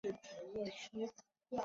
西雅图市中心公交隧道。